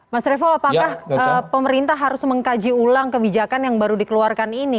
mas revo apakah pemerintah harus mengkaji ulang kebijakan yang baru dikeluarkan ini